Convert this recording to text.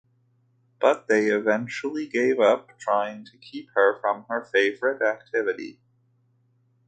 But they eventually gave up trying to keep her from her favorite activity.